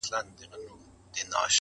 خو احمق سلطان جامې نه وې ليدلي٫